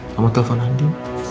kamu telpon andi